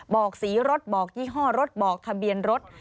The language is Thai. บอกสีรถบอกยี่ห้อรถบอกทะเบียนรถ